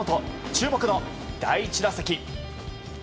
注目の第１打席。